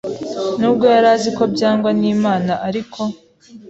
n’ubwo yari azi ko byangwa n’Imana ariko